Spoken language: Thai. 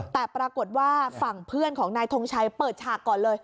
แต่ปรากฏว่าฝั่งเพื่อนของนายทงชัยเปิดฉากก่อนเลย